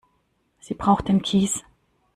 Sie braucht den Kies.